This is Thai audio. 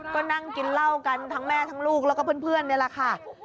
ก็นั่งกินเหล้ากันทั้งแม่ทั้งลูกแล้วก็เพื่อนนี่แหละค่ะ